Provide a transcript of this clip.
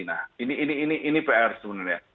nah ini pr sebenarnya